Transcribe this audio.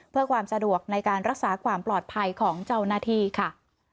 เพื่อความสะดวกในการรักษาความปลอดภัยของเจ้าหน้าที่ค่ะ